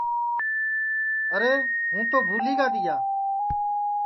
ارے ہوں تو بُھولی گا تیا